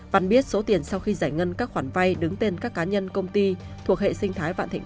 văn biết số tiền sau khi giải ngân các khoản vay đứng tên các cá nhân công ty thuộc hệ sinh thái vạn thịnh